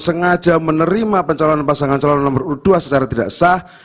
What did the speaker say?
sengaja menerima pencalonan pasangan calon nomor urut dua secara tidak sah